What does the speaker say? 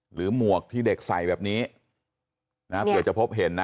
หมวกที่เด็กใส่แบบนี้นะเผื่อจะพบเห็นนะ